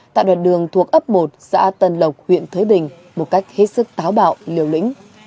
tại đoạn đường thuộc ấp một xã tân lộc huyện thới bình một cách hết sức táo bạo liều lĩnh